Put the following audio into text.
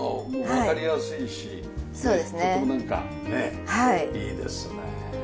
わかりやすいしとってもなんかいいですね。